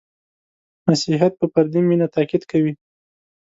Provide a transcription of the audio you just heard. • مسیحیت په فردي مینه تأکید کوي.